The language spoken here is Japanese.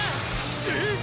えっ！？